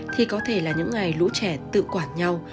thì có thể là những ngày lũ trẻ tự quản nhau